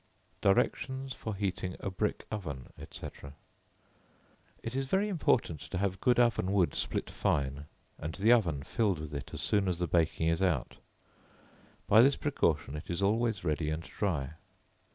Directions for Heating a Brick Oven, &c. It is very important to have good oven wood split fine, and the oven filled with it as soon as the baking is out; by this precaution it is always ready and dry.